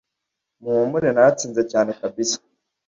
muhumure naratsinze cyane kabisa